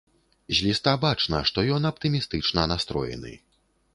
З ліста бачна, што ён аптымістычна настроены.